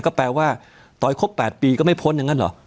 ก็แปลว่าต่อให้ครบ๘ปีก็ไม่พ้นอย่างนั้นเหรอ